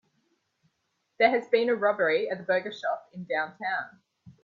There has been a robbery at the burger shop in downtown.